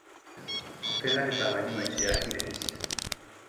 Hotelak eta bainuetxeak ireki ziren.